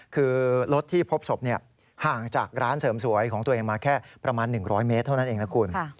คือรถที่พบศพห่างจากร้านเสริมสวยของตัวเองมาแค่ประมาณ๑๐๐เมตรเท่านั้นเองนะคุณ